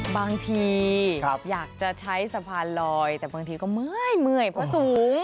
บางทีอยากจะใช้สะพานลอยแต่บางทีก็เมื่อยเพราะสูง